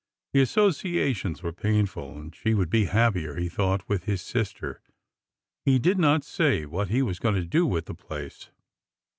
The associations were painful, and she would be happier, he thought, with his sister. He did not say what he was going to do with the place.